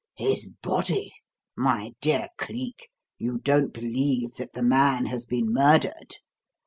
"His body? My dear Cleek, you don't believe that the man has been murdered?"